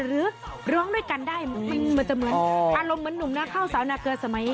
หรือร้องด้วยกันได้อารมณ์เหมือนหนุ่มนักเข้าสาวนาเกิดสมัย